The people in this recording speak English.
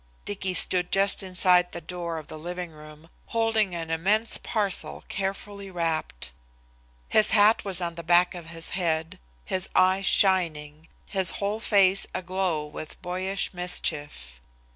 Dicky stood just inside the door of the living room, holding an immense parcel carefully wrapped. His hat was on the back of his head, his eyes shining, his whole face aglow with boyish mischief.